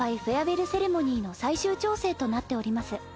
フェアウェルセレモニーの最終調整となっております。